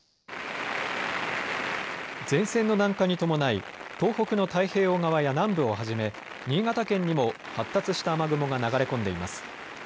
前線の南下に伴い東北の太平洋側や南部をはじめ新潟県にも発達した雨雲が流れ込んでいます。